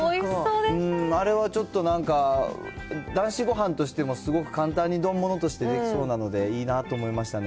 あれは、ちょっとなんか、男子ごはんとしてもすごく簡単に丼ものとしてできそうなのでいいなと思いましたね。